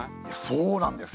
そうなんですよ！